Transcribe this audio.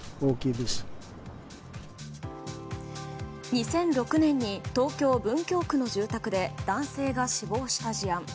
２００６年に東京・文京区の住宅で男性が死亡した事案。